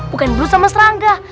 bukan bulu sama serangga